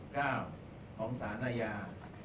ของสารอาญา